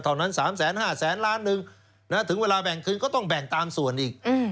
เท่านั้น๓๕๐๐๐ล้านหนึ่งถึงเวลาแบ่งคืนก็ต้องแบ่งตามส่วนอีก